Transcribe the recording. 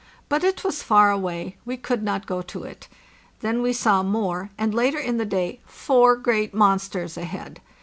But it was far away; we could not go to it. Then we saw more, and later in the day four great monsters ahead.